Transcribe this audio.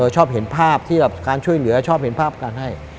ชอบเห็นภาพที่แบบการช่วยเหลือชอบเห็นภาพการให้